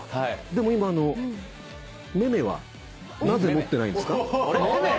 でも今あのめめはなぜ持ってないんですか？